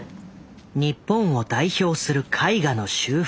日本を代表する絵画の修復